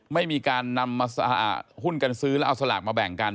ไม่มีการนำมาหุ้นกันซื้อแล้วเอาสลากมาแบ่งกัน